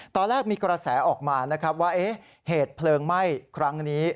ตอนแรกมีกระแสออกมานะครับว่าเหตุเพลิงไหม้ครั้งนี้